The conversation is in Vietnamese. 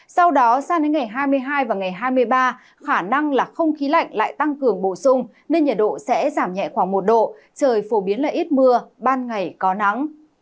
sau đó sang đến ngày hai mươi hai và ngày hai mươi ba khả năng là không khí lạnh lại tăng cường bổ sung nên nhiệt độ sẽ giảm nhẹ khoảng một độ trời phổ biến là ít mưa ban ngày có nắng